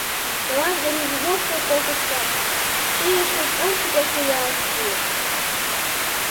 Чылан рӱж воштыл колтыштат, шӱйыштым ончыко шуялтышт.